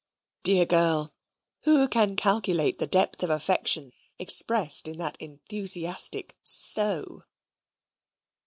Dear girl! who can calculate the depth of affection expressed in that enthusiastic SO?